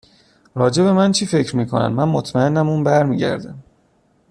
راجع به من چی فکر میکنن من مطمئنم اون برمیگرده